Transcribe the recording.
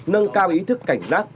nâng cao ý thức cảnh giác bảo vệ tài sản